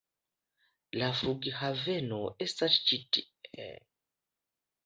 La flughaveno estas ĉi tie.